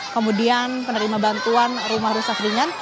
kemudian penerima bantuan rumah rusak ringan